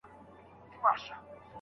د څيړني نظم له بي پلانه کاره غوره وي.